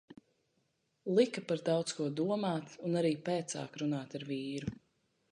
Lika par daudz ko domāt un arī pēcāk runāt ar vīru.